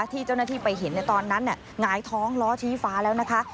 ที่เจ้าหน้าที่ไปเห็นในตอนนั้นหงายท้องล้อชี้ฟ้าแล้วนะคะ